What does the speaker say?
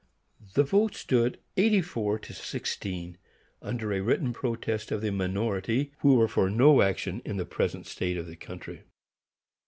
The vote stood eighty four to sixteen, under a written protest of the minority, who were for no action in the present state of the country.